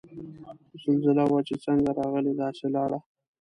زلزله وه چه څنګ راغله داسے لاړه